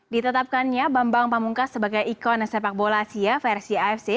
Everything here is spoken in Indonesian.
ditetapkannya bambang pamungkas sebagai ikon sepak bola asia versi afc